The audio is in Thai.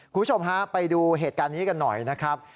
คุณผู้ชมฮะไปดูเหตุการณ์นี้กันหน่อยนะครับ